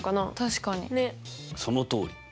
そのとおり。